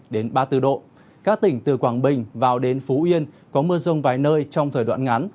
đến ba mươi bốn độ các tỉnh từ quảng bình vào đến phú yên có mưa rông vài nơi trong thời đoạn ngắn